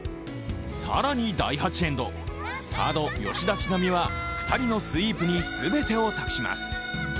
更に第８エンド、サード・吉田知那美は２人のスイープに全てを託します。